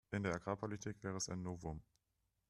In der Agrarpolitik wäre es ein Novum.